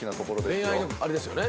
恋愛のあれですよね。